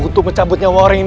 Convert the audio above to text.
dendam ini akan kubayarkan